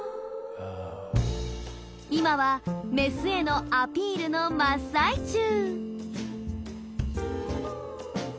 今はメスへのアピールの真っ最中。